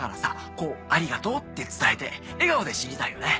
こうありがとうって伝えて笑顔で死にたいよね。